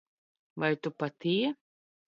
Vai Tu patie